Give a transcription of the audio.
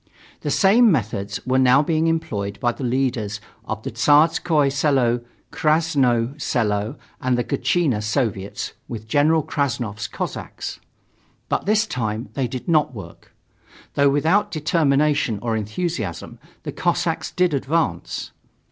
The same methods were now being employed by the leaders of the Tsarskoye Selo, Krasnoye Selo and the Gatchina Soviets with General Krassnov's Cossacks. But this time they did not work. Though without determination or enthusiasm, the Cossacks did advance.